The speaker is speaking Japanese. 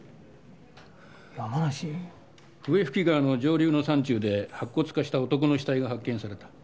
笛吹川の上流の山中で白骨化した男の死体が発見された。